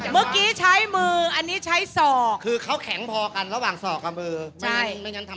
เมื่อกี้ใช้มืออันนี้ใช้ศอกคือเขาแข็งพอกันระหว่างศอกกับมือ